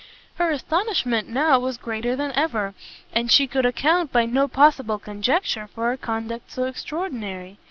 Her astonishment now was greater than ever, and she could account by no possible conjecture for a conduct so extraordinary.